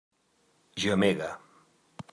Gemega.